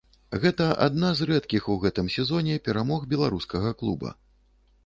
Гэта адна з рэдкіх у гэтым сезоне перамог беларускага клуба.